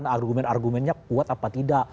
argumen argumennya kuat apa tidak